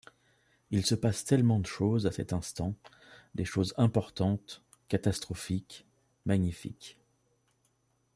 Il se passe tellement de choses à cet instant, des choses importantes, catastrophiques, magnifiques.